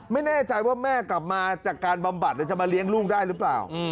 ไม่แน่ใจว่าแม่กลับมาจากการบำบัดจะมาเลี้ยงลูกได้หรือเปล่า